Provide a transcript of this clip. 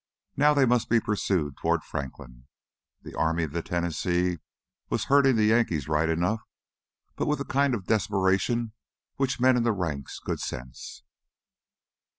Now they must be pursued toward Franklin. The Army of the Tennessee was herding the Yankees right enough, but with a kind of desperation which men in the ranks could sense.